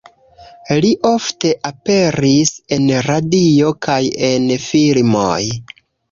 Li ofte aperis en radio kaj en filmoj.